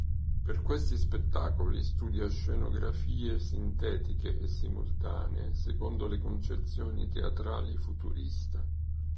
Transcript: Per questi spettacoli studia scenografie sintetiche e simultanee secondo le concezioni teatrali futuriste.